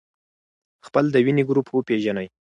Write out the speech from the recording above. خپل د وینې ګروپ وپېژنئ.